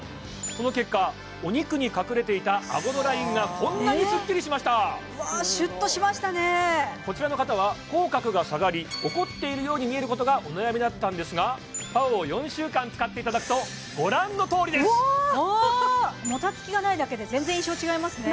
その結果お肉に隠れていたあごのラインがこんなにスッキリしましたシュッとしましたねこちらの方は口角が下がり怒っているように見えることがお悩みだったんですがＰＡＯを４週間使っていただくとご覧のとおりですもたつきがないだけで全然印象違いますね